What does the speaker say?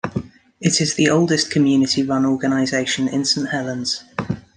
It is the oldest community run organisation in Saint Helens.